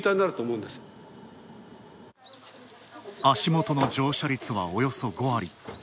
足もとの乗車率はおよそ５割。